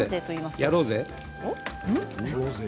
やろうぜ。